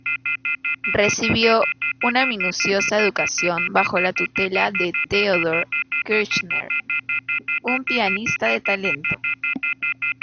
Recibió una minuciosa educación bajo la tutela de Theodor Kirchner, un pianista de talento.